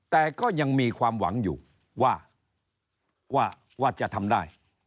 แต่ก็ยังมีความหวังอยู่ว่าจะทำได้